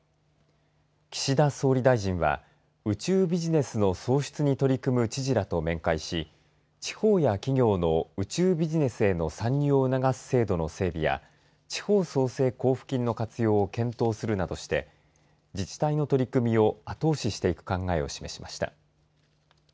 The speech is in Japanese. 岸田総理大臣は宇宙ビジネスの創出に取り組む知事らと面会し地方や企業の宇宙ビジネスへの参入を促す制度の整備や地方創生交付金の活用を検討するなどして自治体の取り組みを後押ししていく考えを示しました。